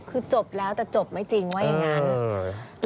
คือจบแล้วแต่จบไม่จริงว่าอย่างนั้น